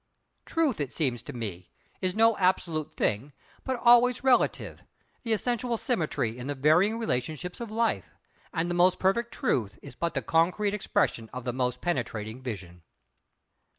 Truth it seems to me—is no absolute thing, but always relative, the essential symmetry in the varying relationships of life; and the most perfect truth is but the concrete expression of the most penetrating vision.